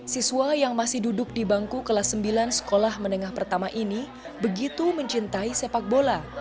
siswa yang masih duduk di bangku kelas sembilan sekolah menengah pertama ini begitu mencintai sepak bola